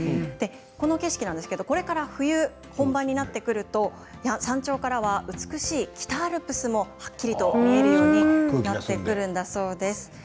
この景色これから冬本番になってくると山頂からは美しい北アルプスもはっきりと見えるようになってくるんだそうです。